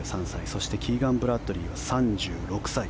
そしてキーガン・ブラッドリーは３６歳。